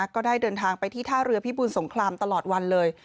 ก็ได้เดินทางไปที่ท่าเรือพิบูรสงครามตลอดวันเลย